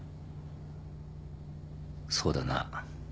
そうだな。